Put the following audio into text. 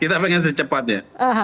kita ingin secepatnya